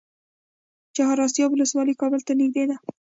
د چهار اسیاب ولسوالۍ کابل ته نږدې ده